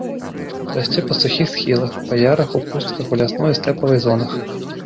Расце па сухіх схілах, па ярах ў пустках ў лясной і стэпавай зонах.